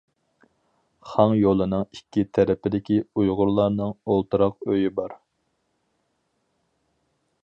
خاڭ يولىنىڭ ئىككى تەرىپىدىكى ئۇيغۇرلارنىڭ ئولتۇراق ئۆيى بار.